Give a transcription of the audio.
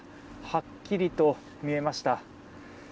はっきりと見えました。